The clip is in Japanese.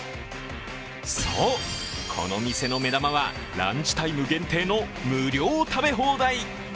そう、この店の目玉はランチタイム限定の無料食べ放題。